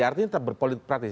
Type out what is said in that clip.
artinya tetap berpolitik praktis